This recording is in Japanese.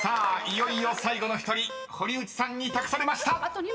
いよいよ最後の１人堀内さんに託されました］